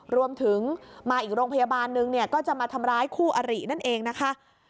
รวมถึงมาอีกโรงพยาบาลนึงเนี่ยก็จะมาทำร้ายคู่อรินั่นเองนะคะ